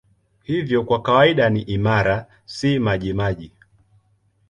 Hivyo kwa kawaida ni imara, si majimaji.